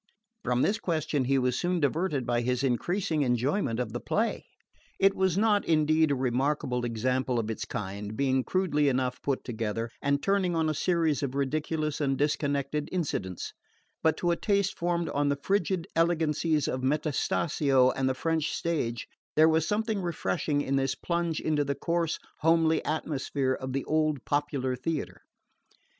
From this question he was soon diverted by his increasing enjoyment of the play. It was not indeed a remarkable example of its kind, being crudely enough put together, and turning on a series of ridiculous and disconnected incidents; but to a taste formed on the frigid elegancies of Metastasio and the French stage there was something refreshing in this plunge into the coarse homely atmosphere of the old popular theatre.